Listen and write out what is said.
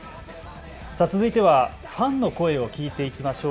続いてはファンの声を聞いていきましょう。